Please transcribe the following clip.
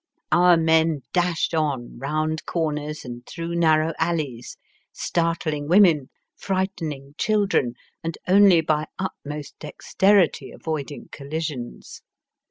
Our men dashed on round comers and through narrow alleys, startling women, frightening children, and only by utmost dexterity avoiding collisions.